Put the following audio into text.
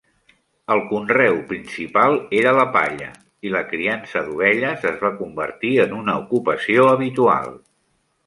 El conreu principal era la palla, i la criança d'ovelles es va convertir en una ocupació habitual.